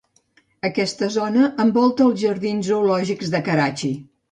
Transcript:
Aquesta zona envolta els Jardins Zoològics de Karachi.